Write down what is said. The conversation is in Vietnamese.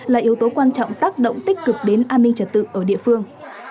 là yếu tố quan trọng tác động tích cực đến an ninh trật tự ở địa phương